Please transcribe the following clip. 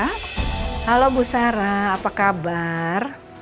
halo bu sarah apa kabar